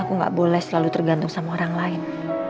aku nggak boleh selalu tergantung sama orang lain